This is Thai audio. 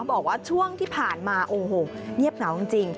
บอกว่าช่วงที่ผ่านมาโอ้โหเงียบเหงาจริง